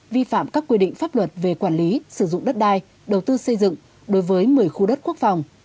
vi phạm các quy định pháp luật về quản lý sử dụng đất đai đầu tư xây dựng đối với một mươi khu đất quốc phòng